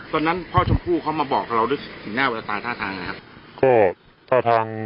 ตอนนั้นพ่อชมพู่เขามาบอกเราด้วยสีหน้าแววตาท่าทางนะครับ